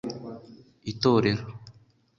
Itorero